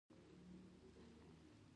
روغتیا ته پام د زړه روغتیا تضمینوي.